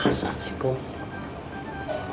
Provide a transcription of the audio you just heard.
enggak tahu kum